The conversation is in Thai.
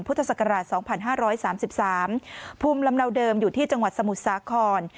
พุทธศักราชสองพันห้าร้อยสามสิบสามภูมิลำเนาเดิมอยู่ที่จังหวัดสมุทรสาขร